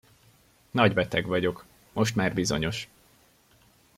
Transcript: Nagybeteg vagyok, most már bizonyos.